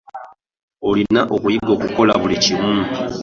Olina okuyiga okukola buli kimu.